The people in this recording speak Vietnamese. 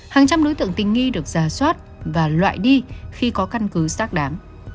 hàng trăm đối tượng tình nghi được giả soát và loại đi khi có căn cứ xác đáng